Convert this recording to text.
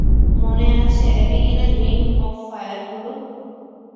মনে আছে অ্যাবিগেলের রিং অব ফায়ার হলো?